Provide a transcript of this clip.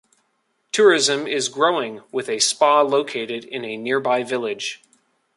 Tourism is growing, with a spa located in a nearby village.